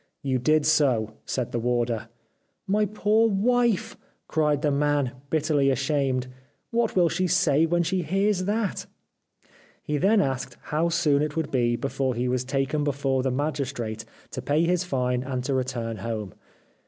' You did so,' said the warder. ' My poor wife !' cried the man bitterly ashamed, ' what will she say when she hears that ?' He y 337 The Life of Oscar Wilde then asked how soon it would be before he was taken before the magistrate to pay his fine and to return home.